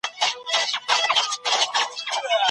پر خاوند باندي د ميرمني مهم حق څه شی دی؟